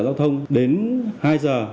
giao thông đến hai giờ